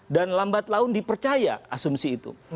dan lambat laun dipercaya asumsi itu